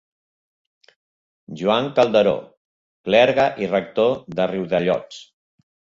Joan Calderó, clergue i rector de Riudellots.